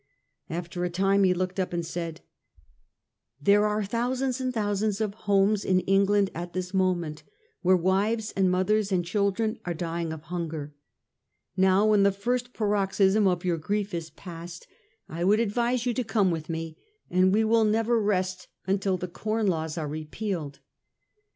After a time he looked up and said: ' There are thousands and thousands of homes in England at this moment where wives and mothers and children are dying of hunger. Now when the first paroxysm of your grief is passed, I 1841 —& COBDEN AND BRIGHT. 345 •would advise you to come with me, and we will never rest until the Com Laws are repealed.